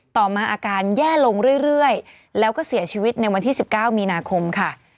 ต่อมาอาการแย่ลงเรื่อยแล้วก็เสียชีวิตในวันที่๑๙มีนาคมค่ะ